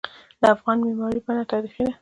د افغان معماری بڼه تاریخي ده.